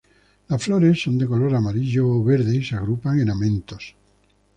Las flores son de color amarillo o verde y se agrupan en amentos.